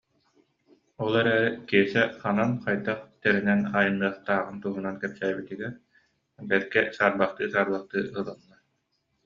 Ол эрээри Киэсэ ханан, хайдах тэринэн айанныахтааҕын туһунан кэпсээбитигэр бэркэ саар- бахтыы-саарбахтыы ылынна